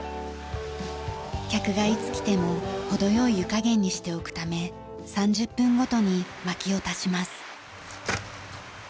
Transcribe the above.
客がいつ来ても程良い湯加減にしておくため３０分ごとに薪を足します。